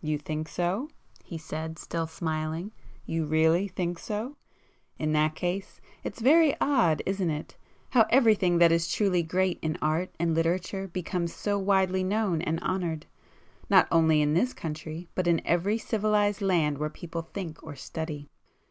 "You think so?" he said still smiling—"you really think so? In that case it's very odd isn't it, how everything that is truly great in art and literature becomes so widely known and honoured, not only in this country but in every civilized land where people think or study?